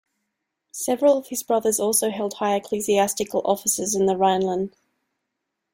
Several of his brothers also held high ecclesiastical offices in the Rhineland.